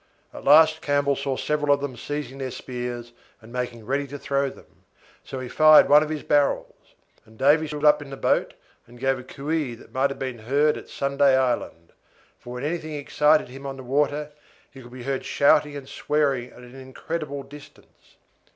At last Campbell saw several of them seizing their spears and making ready to throw them, so he fired one of his barrels; and Davy stood up in the boat and gave a cooee that might have been heard at Sunday Island, for when anything excited him on the water he could be heard shouting and swearing at an incredible distance.